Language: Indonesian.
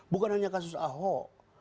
bukan hanya kasus ahok